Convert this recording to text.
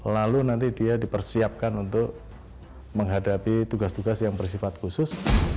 lalu nanti dia dipersiapkan untuk menghadapi tugas tugas yang bersifat khusus